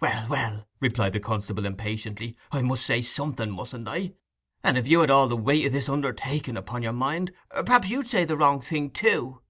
'Well, well,' replied the constable impatiently; 'I must say something, mustn't I? and if you had all the weight o' this undertaking upon your mind, perhaps you'd say the wrong thing too!